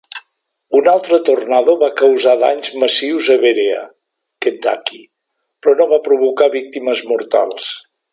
Un altre tornado va causar danys massius a Berea, Kentucky, però no va provocar víctimes mortals.